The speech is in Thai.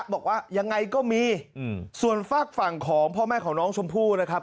บอกว่ายังไงก็มีส่วนฝากฝั่งของพ่อแม่ของน้องชมพู่นะครับ